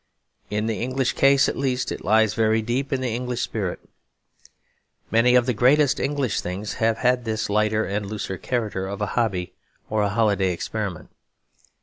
In the English case, at least, it lies very deep in the English spirit. Many of the greatest English things have had this lighter and looser character of a hobby or a holiday experiment.